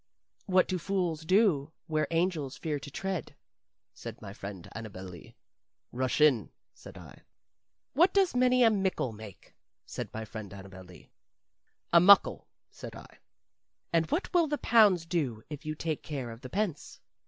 "What do fools do where angels fear to tread?" said my friend Annabel Lee. "Rush in," said I. "What does many a mickle make?" said my friend Annabel Lee. "A muckle," said I. "What will the pounds do if you take care of the pence?"